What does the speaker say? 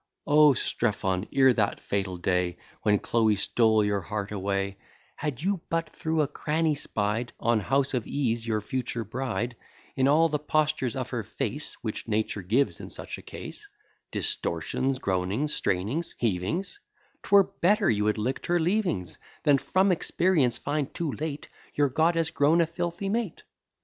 O Strephon, ere that fatal day When Chloe stole your heart away, Had you but through a cranny spy'd On house of ease your future bride, In all the postures of her face, Which nature gives in such a case; Distortions, groanings, strainings, heavings, 'Twere better you had lick'd her leavings, Than from experience find too late Your goddess grown a filthy mate.